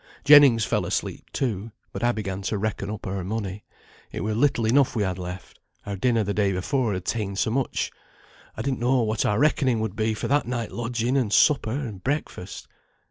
Jennings fell asleep too; but I began for to reckon up our money. It were little enough we had left, our dinner the day afore had ta'en so much. I didn't know what our reckoning would be for that night lodging, and supper, and breakfast.